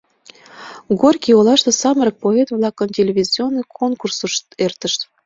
Горький олаште самырык поэт-влакын телевизионный конкурсышт эртыш.